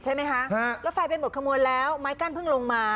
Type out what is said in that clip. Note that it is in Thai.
ใช่ไหมฮะรถไฟมันขมันแล้วไม้กั้นเพิ่งลงมา